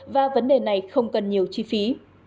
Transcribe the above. và vấn đề này không cần nhiều chi phí